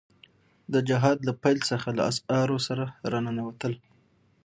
د جهاد له پيل څخه له اسعارو سره را ننوتل.